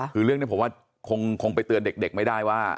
คือเรื่องนี้ผมว่าคงไปเตือนเด็กไม่ได้ว่า